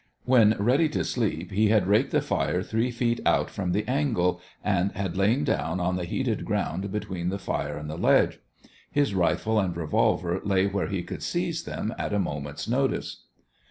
When ready to sleep he had raked the fire three feet out from the angle, and had lain down on the heated ground between the fire and the ledge. His rifle and revolver lay where he could seize them at a moment's notice.